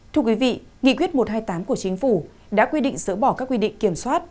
thưa quý vị nghị quyết một trăm hai mươi tám của chính phủ đã quy định dỡ bỏ các quy định kiểm soát